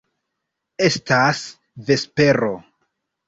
Estas vespero.